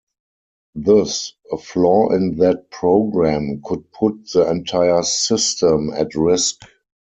Thus, a flaw in that program could put the entire system at risk.